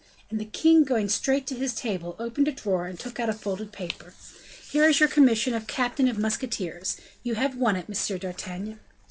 And the king going straight to his table, opened a drawer, and took out a folded paper. "Here is your commission of captain of musketeers; you have won it, Monsieur d'Artagnan."